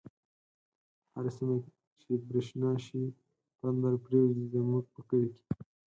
په هره سیمه چی برشنا شی، تندر پریوزی زمونږ په کلی